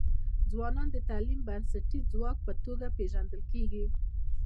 ځوانان د تعلیم د بنسټیز ځواک په توګه پېژندل کيږي.